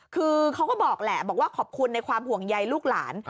คือเขาก็บอกแหละบอกว่าขอบคุณในความห่วงใยลูกหลาน